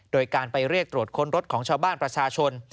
โดยการไปเรียกตรวจค้นรถของชาวบ้านประชาชน